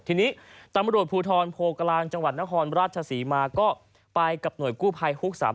ทีนี้ตำรวจภูทรโพกลางจังหวัดนครราชศรีมาก็ไปกับหน่วยกู้ภัยฮุก๓๓